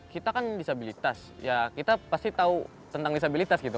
kita kan disabilitas ya kita pasti tahu tentang disabilitas gitu